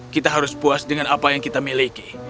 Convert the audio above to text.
kita harus puas dengan apa yang kita miliki